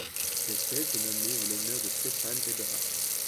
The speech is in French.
Cette espèce est nommée en l'honneur de Stefan Eberhard.